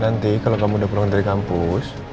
nanti kalau kamu udah pulang dari kampus